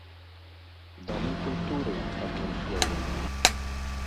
Дамы культуры, адным словам.